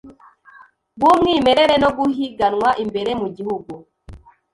bumwimerere no guhiganwa imbere mu Gihugu